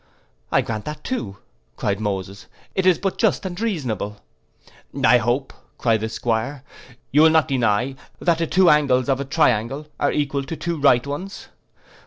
'I grant that too,' cried Moses, 'it is but just and reasonable.'—'I hope,' cried the 'Squire, 'you will not deny, that the two angles of a triangle are equal to two right ones.